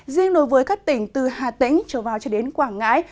riêng đối với các tỉnh từ hà tĩnh trở vào cho đến quảng ngãi